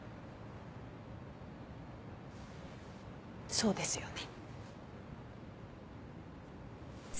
そうですよね。